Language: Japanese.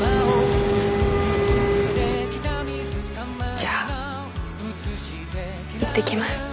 じゃあ行ってきます。